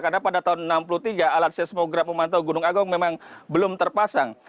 karena pada tahun seribu sembilan ratus enam puluh tiga alat seismograf memantau gunung agung memang belum terpasang